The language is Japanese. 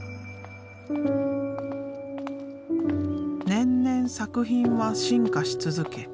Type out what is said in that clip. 年々作品は進化し続け